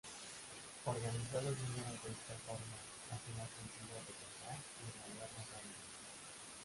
Organizar los números de esta forma hace más sencillo recordar y evaluar la fórmula.